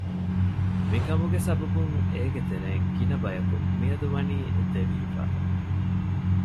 މިކަމުގެ ސަބަބުން އޭގެ ތެރެއިން ގިނަބަޔަކު މިއަދު ވަނީ ދެވި ހިފައިފަ